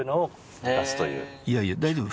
いやいや大丈夫？